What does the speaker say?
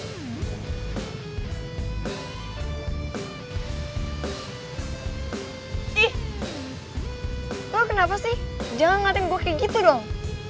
ih lo kenapa sih jangan ngeliatin gue kayak gitu dong